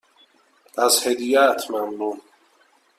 از هدیهات ممنونم.